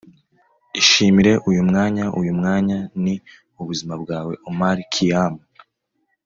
ishimire uyu mwanya. uyu mwanya ni ubuzima bwawe. - omar khayyam